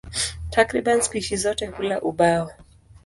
Takriban spishi zote hula ubao.